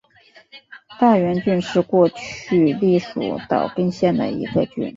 大原郡是过去隶属岛根县的一郡。